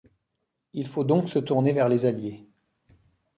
Il faut donc se tourner vers les Alliés.